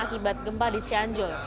dan akibat gempa di cianjol